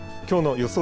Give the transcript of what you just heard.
きょうの予想